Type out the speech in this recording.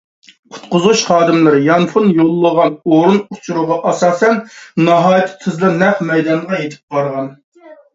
قۇتقۇزۇش خادىملىرى يانفون يوللىغان ئورۇن ئۇچۇرىغا ئاساسەن، ناھايىتى تېزلا نەق مەيدانغا يېتىپ بارغان.